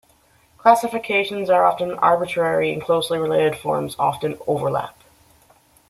Classifications are often arbitrary, and closely related forms often overlap.